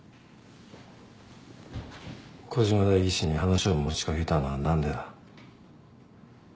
児島代議士に話を持ち掛けたのは何でだ？